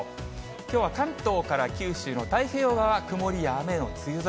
きょうは関東から九州の太平洋側、曇りや雨の梅雨空。